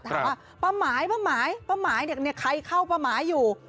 ถามว่าป้าหมายป้าหมายป้าหมายเนี่ยใครเข้าป้าหมายอยู่